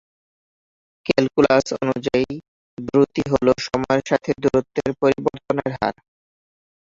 Calculus অনুযায়ী, দ্রুতি হলো সময়ের সাথে দূরত্বের পরিবর্তনের হার।